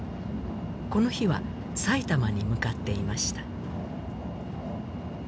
この日は埼玉に向かっていました